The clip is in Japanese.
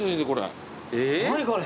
何これ。